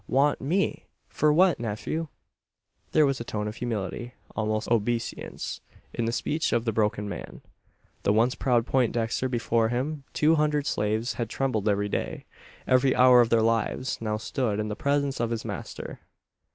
"Want me! For what, nephew?" There was a tone of humility, almost obeisance, in the speech of the broken man. The once proud Poindexter before whom two hundred slaves had trembled every day, every hour of their lives, now stood in the presence of his master!